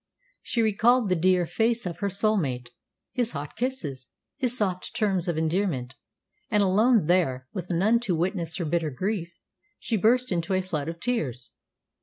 She recalled the dear face of her soul mate, his hot kisses, his soft terms of endearment, and alone there, with none to witness her bitter grief, she burst into a flood of tears.